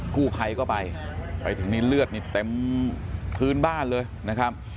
ผู้ใครก็ไปไปถึงนี้เลือดเต็มมือภืนบ้านเลยนะครับ